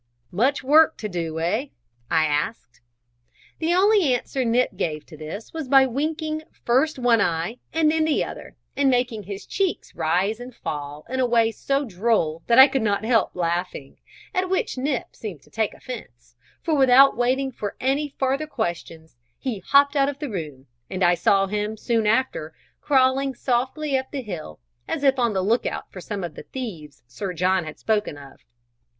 "Much work to do, eh?" I asked. The only answer Nip gave to this was by winking first one eye and then the other, and making his cheeks rise and fall in a way so droll that I could not help laughing, at which Nip seemed to take offence, for without waiting for any farther questions he hopped out of the room, and I saw him, soon after, crawling softly up the hill, as if on the look out for some of the thieves Sir John had spoken of.